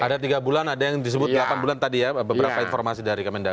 ada tiga bulan ada yang disebut delapan bulan tadi ya beberapa informasi dari kementerian dalam negeri